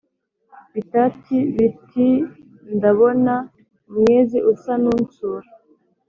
bitati bitndabona umwezi usa n ' unsura